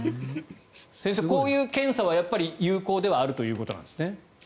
先生、こういう検査は有効ではあるということですね？